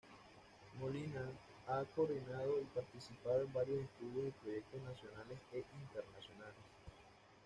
Molina ha coordinado y participado en varios estudios y proyectos nacionales e internacionales.